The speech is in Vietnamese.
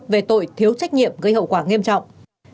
về tội thiếu trách nhiệm gây hậu quả nghiêm trọng